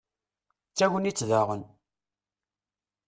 d tagnit daɣen